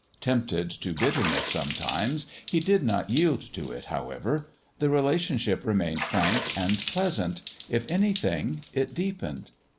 Tempted to bitterness sometimes, he did not yield to it, however; the relationship remained frank and pleasant; if anything, it deepened.